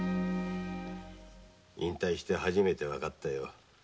引退して初めてわかったよ。